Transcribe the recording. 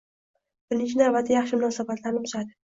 birinchi navbatda yaxshi munosabatlarni buzadi.